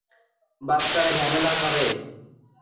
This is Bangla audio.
বাচ্চারাই ঝামেলা করে।